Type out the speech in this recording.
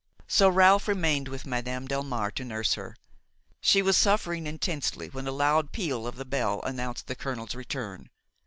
So Ralph remained with Madame Delmare to nurse her. She was suffering intensely when a loud peal of the bell announced the colonel's return.